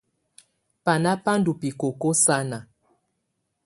Banà bà ndù bikoko sanà.